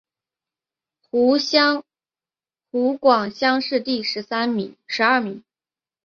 湖广乡试第十二名。